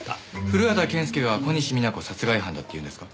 古畑健介が小西皆子殺害犯だっていうんですか？